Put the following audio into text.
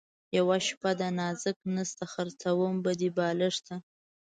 یوه شپه ده نازک نسته ـ خرڅوم به دې بالښته